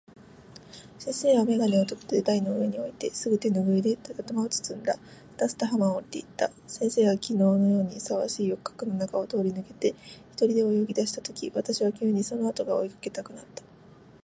先生は眼鏡をとって台の上に置いて、すぐ手拭（てぬぐい）で頭を包んで、すたすた浜を下りて行った。先生が昨日（きのう）のように騒がしい浴客（よくかく）の中を通り抜けて、一人で泳ぎ出した時、私は急にその後（あと）が追い掛けたくなった。